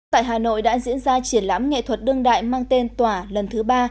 tại hà nội đã diễn ra triển lãm nghệ thuật đương đại mang tên tỏa lần thứ ba